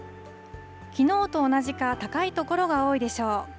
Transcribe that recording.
きのうと同じか高い所が多いでしょう。